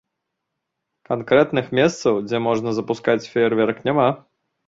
Канкрэтных месцаў, дзе можна запускаць феерверк, няма.